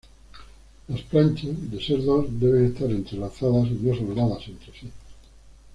Las planchas, de ser dos, deben estar entrelazadas y no soldadas entre sí.